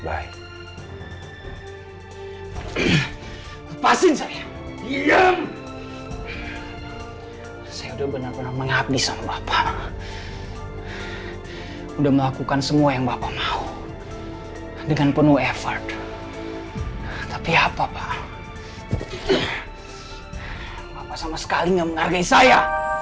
apa sama sekali yang menghargai saya